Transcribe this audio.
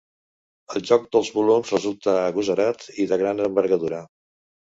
El joc dels volums resulta agosarat i de gran envergadura.